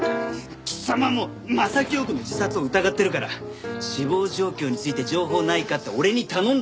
貴様も柾庸子の自殺を疑ってるから死亡状況について情報ないかって俺に頼んだんだろ？